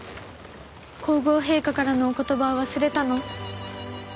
皇后陛下からのお言葉を忘れたの？